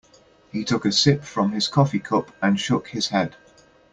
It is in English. He took a sip from his coffee cup and shook his head.